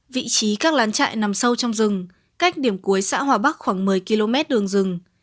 vị trí các lán trại nằm sâu trong rừng cách điểm cuối xã hòa bắc khoảng một mươi km đường rừng